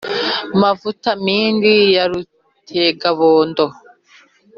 Mavuta-mingi ya rutenga-bondo,